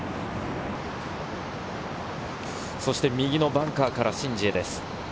そして右のバンカーからシン・ジエです。